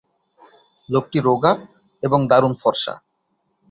লোকটি রোগা এবং দারুণ ফর্সা।